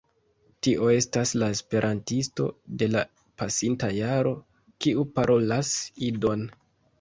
Tio estas la Esperantisto de la pasinta jaro, kiu parolas Idon